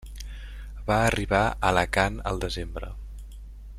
Va arribar a Alacant al desembre.